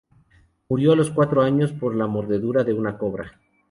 Murió a los cuatro años por la mordedura de una cobra.